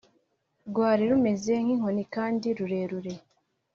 Rwari rumeze nk’inkoni kandi rurerure